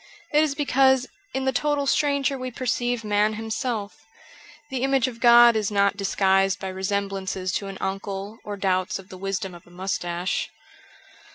It is because in the total stranger we perceive man himself ; the image of God is not disguised by resemblances to an uncle or doubts of the wisdom of a moustache.